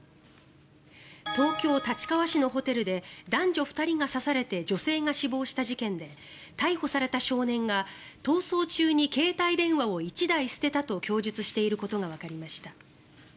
東京・立川市のホテルで男女２人が刺されて女性が死亡した事件で逮捕された少年が逃走中に携帯電話を１台捨てたと供述していることがわかりました。